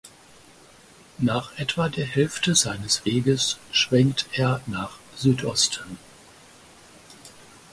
Nach etwa der Hälfte seines Weges schwenkt er nach Südosten.